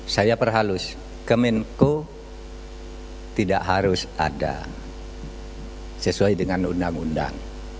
saya perhalus kemenko tidak harus ada sesuai dengan undang undang